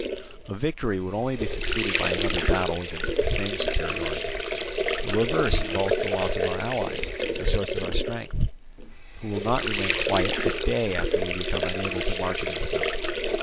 A victory would only be succeeded by another battle against the same superiority: a reverse involves the loss of our allies, the source of our strength, who will not remain quiet a day after we become unable to march against them.